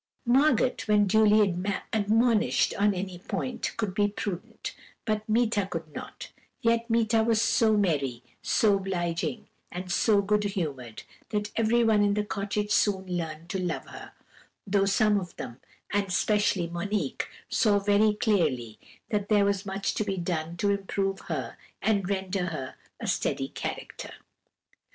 Margot, when duly admonished on any point, could be prudent, but Meeta could not; yet Meeta was so merry, so obliging, and so good humoured, that everyone in the cottage soon learned to love her; though some of them, and especially Monique, saw very clearly that there was much to be done to improve her and render her a steady character.